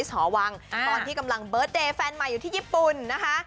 ตอนที่กำลังเบิร์ตเดย์แฟนใหม่อยู่ที่ญี่ปุ่นนะคะ